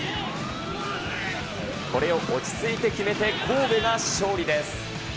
これを落ち着いて決めて、神戸が勝利です。